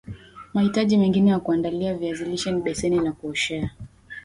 mahitaji mengine ya kuandalia viazi lishe ni beseni la kuoshea